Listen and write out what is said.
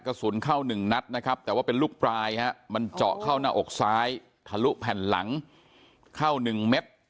กระสุนเข้า๑นัดนะครับแต่ว่าเป็นลูกปลายมันเจาะเข้าหน้าอกซ้ายทะลุแผ่นหลังเข้า๑เม็ด